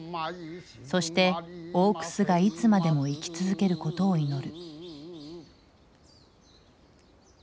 そして大楠がいつまでも生き続けることを祈る。